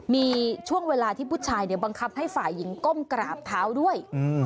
มีช่วงเวลาที่ผู้ชายบังคับให้ฝ่ายหญิงก้มกราบเท้าด้วย